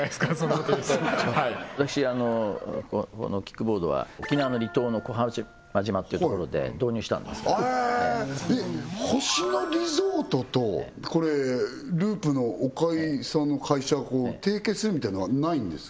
このキックボードは沖縄の離島の小浜島っていうところで導入したんです星野リゾートとループの岡井さんの会社が提携するみたいのはないんですか？